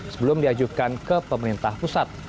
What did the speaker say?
sebelum diajukan ke pemerintah pusat